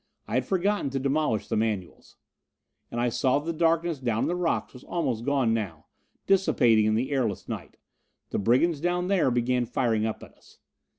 I had forgotten to demolish the manuals. And I saw that the darkness down on the rocks was almost gone now, dissipating in the airless night. The brigands down there began firing up at us.